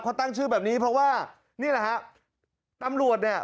เขาตั้งชื่อแบบนี้เพราะว่านี่แหละฮะตำรวจเนี่ย